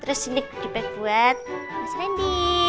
terus ini kudipek buat mas rendy